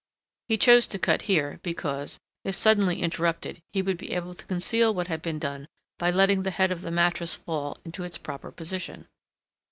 He chose to cut here, because, if suddenly interrupted, he would be able to conceal what had been done by letting the head of the mattress fall into its proper position.